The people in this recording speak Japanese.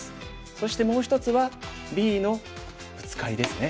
そしてもう１つはＢのブツカリですね。